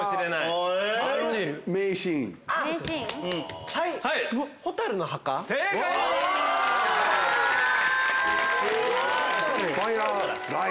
すごい！